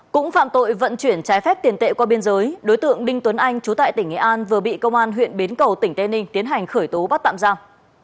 cũng phạm tội vận chuyển trái phép tiền tệ qua biên giới đối tượng đinh tuấn anh chú tại tỉnh nghệ an vừa bị công an huyện bến cầu tỉnh tây ninh tiến hành khởi tố bắt tạm giam